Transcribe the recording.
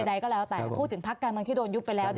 ใดก็แล้วแต่พูดถึงพักการเมืองที่โดนยุบไปแล้ว